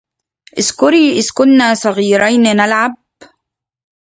اذكري إذ كنا صغيرين نلعب